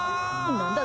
何だ？